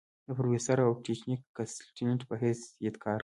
د پروفيسر او ټيچنګ کنسلټنټ پۀ حېث يت کار کوي ۔